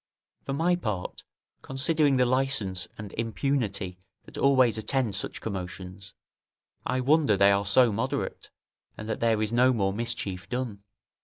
For my part, considering the licence and impunity that always attend such commotions, I wonder they are so moderate, and that there is no more mischief done.